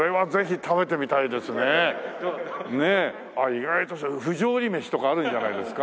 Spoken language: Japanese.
意外とじゃあ不条理飯とかあるんじゃないですか？